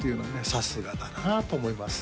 さすがだなあと思います